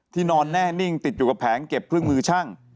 นอนแน่นิ่งติดอยู่กับแผงเก็บเครื่องมือช่าง